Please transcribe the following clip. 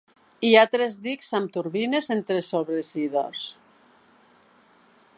Hi ha tres dics amb turbines entre els sobreeixidors.